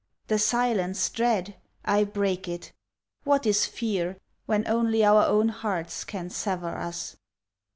The silence dread? I break it. What is fear? When only our own hearts can sever us.